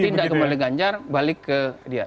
pindah kembali ganjar balik ke dia